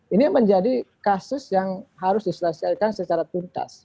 ini menjadi kasus yang harus diselesaikan secara tuntas